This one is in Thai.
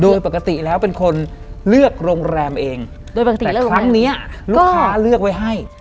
โดยปกติแล้วเป็นคนเลือกโรงแรมเองโดยปกติครั้งเนี้ยลูกค้าเลือกไว้ให้